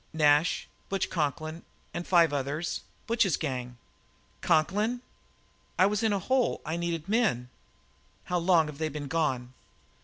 "Nash, Butch Conklin, and five more. Butch's gang." "Conklin!" "I was in a hole; I needed men." "How long have they been gone?"